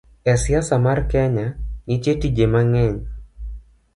E siasa mar Kenya, nitie tije mang'eny